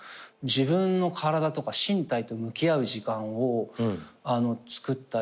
自分の体とか身体と向き合う時間をつくったり。